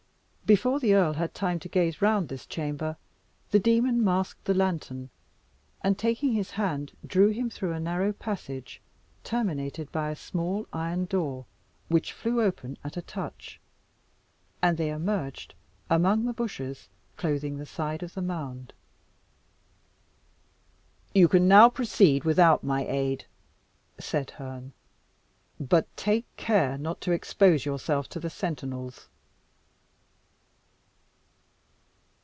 Before the earl had time to gaze round this chamber, the demon masked the lantern, and taking his hand, drew him through a narrow passage, terminated by a small iron door, which flew open at a touch, and they emerged among the bushes clothing the side of the mound. "You can now proceed without my aid," said Herne: "but take care not to expose yourself to the sentinels."